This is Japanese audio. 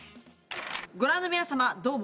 ご覧の皆さまどうも。